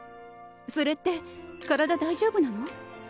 それって体大丈夫なの？